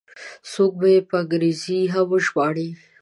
څوک به یې په انګریزي هم وژباړي.